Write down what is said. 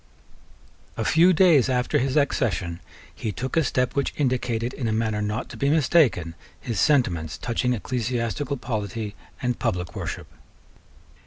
A few days after his accession, he took a step which indicated, in a manner not to be mistaken, his sentiments touching ecclesiastical polity and public worship.